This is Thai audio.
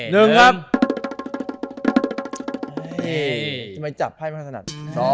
ทำไมจับไพ่ไม่ค่อยสนัด